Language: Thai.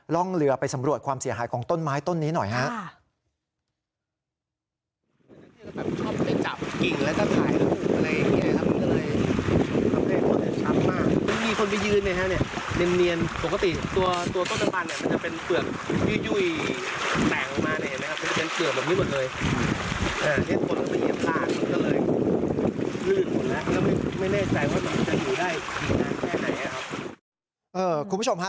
ร่องเรือไปสำรวจความเสียหายของต้นไม้ต้นนี้หน่อยครับ